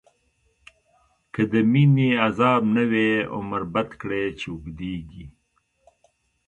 که د مینی عذاب نه وی، عمر بد کړی چی اوږدیږی